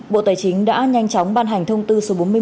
bộ tài chính đã nhanh chóng ban hành thông tư